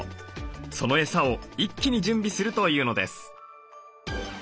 そのエサを一気に準備するというのです。